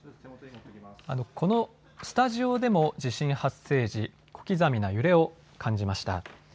このスタジオでも地震発生時、小刻みな揺れを感じました。